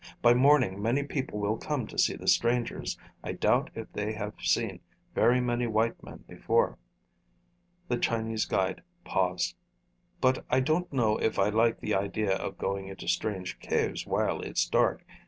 By morning many people will come to see the strangers. I doubt if they have seen very many white men before." The Chinese guide paused. "But I don't know if I like the idea of going into strange caves while it's dark.